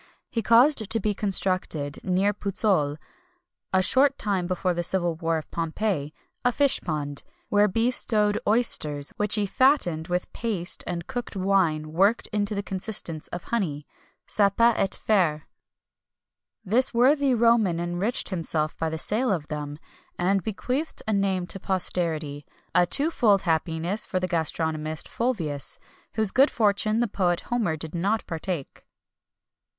He caused to be constructed, near Pouzzole, a short time before the civil war of Pompey, a fishpond, where be stowed oysters, which he fattened with paste and cooked wine worked into the consistence of honey[XXI 232] sapa et farre. This worthy Roman enriched himself by the sale of them,[XXI 233] and bequeathed a name to posterity a two fold happiness for the gastronomist Fulvius, whose good fortune the poet Homer did not partake.